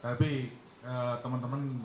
saya tidak ada gambarnya nih sayangnya